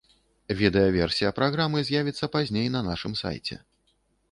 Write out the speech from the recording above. Відэаверсія праграмы з'явіцца пазней на нашым сайце.